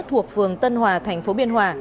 thuộc phường tân hòa tp biên hòa